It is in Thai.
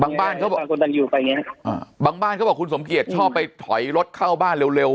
บางบ้านเขาบอกบางบ้านเขาบอกคุณสมเกียจชอบไปถอยรถเข้าบ้านเร็วเร็ว